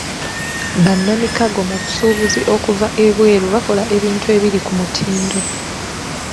Bannamikago mu busuubuzi okuva ebweru bakola ebintu ebiri ku mutindo.